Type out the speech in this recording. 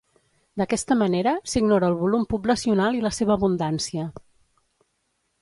D'aquesta manera, s'ignora el volum poblacional i la seva abundància.